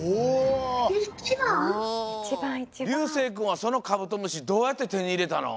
りゅうせいくんはそのカブトムシどうやって手にいれたの？